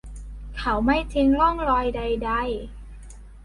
เขาไม่ทิ้งร่องรอยใด ๆ